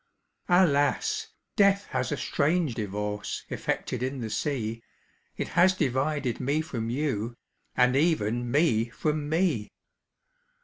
"Alas! death has a strange divorce Effected in the sea, It has divided me from you, And even me from me!